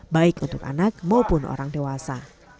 baik untuk anak maupun orang dewasa